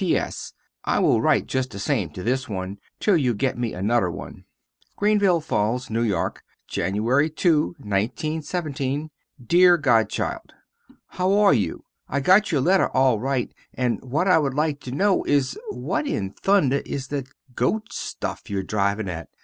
P.S. I will rite just the same to this one till you get me a nuther one. Greenville Falls. N.Y. Jan. 2, 1917. Deer godchild How are you? I got your letter al rite and what I wood like to no is what in thunder is that goat stuff you are drivin at?